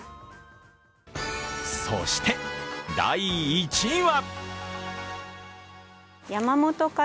そして第１位は！